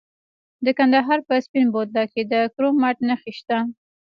د کندهار په سپین بولدک کې د کرومایټ نښې شته.